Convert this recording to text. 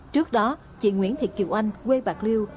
trước đó chị nguyễn thị kiều oanh quê bạc liêu